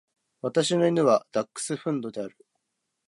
私の犬はダックスフンドである。